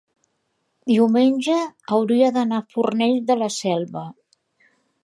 diumenge hauria d'anar a Fornells de la Selva.